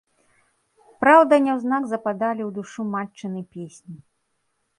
Праўда, няўзнак западалі ў душу матчыны песні.